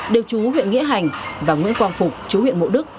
đều chú huyện nghĩa hành và nguyễn quang phục chú huyện mộ đức